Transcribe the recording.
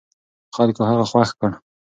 خلکو هغه خوښ کړ.